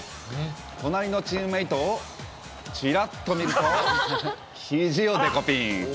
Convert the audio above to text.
隣のチームメートをちらっと見ると、ひじをでこぴん。